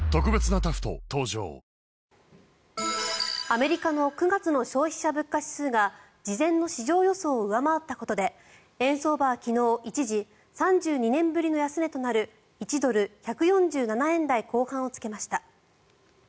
アメリカの９月の消費者物価指数が事前の市場予想を上回ったことで円相場は昨日一時、３２年ぶりの安値となる１ドル＝１４７円台後半をつけました。